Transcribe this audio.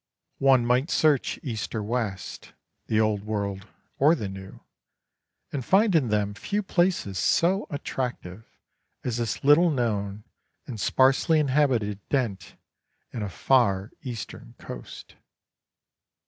One might search east or west, the Old World or the New, and find in them few places so attractive as this little known and sparsely inhabited dent in a far Eastern coast.